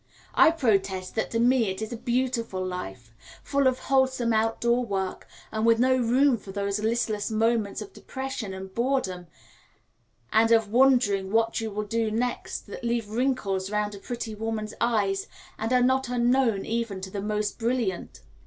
I protest that to me it is a beautiful life, full of wholesome outdoor work, and with no room for those listless moments of depression and boredom, and of wondering what you will do next, that leave wrinkles round a pretty woman's eyes, and are not unknown even to the most brilliant.